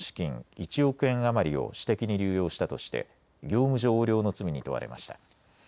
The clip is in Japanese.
１億円余りを私的に流用したとして業務上横領の罪に問われました。